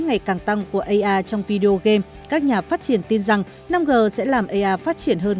ai trong video game các nhà phát triển tin rằng năm g sẽ làm ai phát triển hơn